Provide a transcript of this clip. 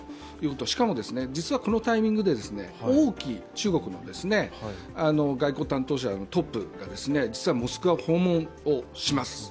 しかも実はこのタイミングで王毅・外交担当のトップが実はモスクワを訪問します。